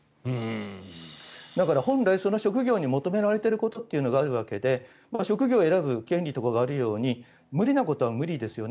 だから本来その職業に求められていることがあるわけで職業を選ぶ権利とかがあるように無理なことは無理ですよね。